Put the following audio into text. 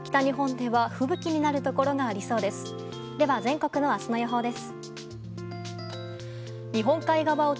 では、全国の明日の予報です。